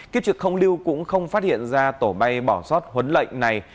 kiếp trực không lưu cũng không phát hiện ra tổ bay bỏ sót huấn lệnh này